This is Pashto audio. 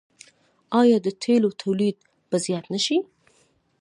آیا د تیلو تولید به زیات نشي؟